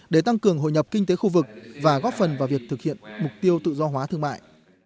để tăng cường hội nhập kinh tế khu vực và góp phần vào việc thực hiện mục tiêu tự do hóa thương mại